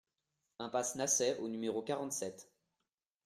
Impasse Naçay au numéro quarante-sept